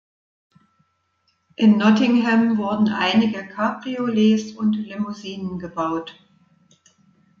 In Nottingham wurden einige Cabriolets und Limousinen gebaut.